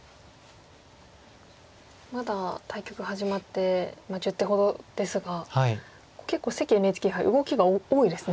まだ対局始まって１０手ほどですが結構関ＮＨＫ杯動きが多いですね。